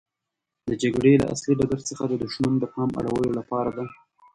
د جګړې له اصلي ډګر څخه د دښمن د پام اړولو لپاره ده.